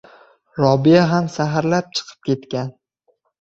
Robiya ham saharlab chiqib ketgan.